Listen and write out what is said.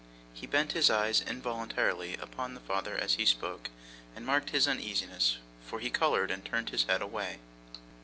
He bent his eyes involuntarily upon the father as he spoke, and marked his uneasiness; for he coloured and turned his head away.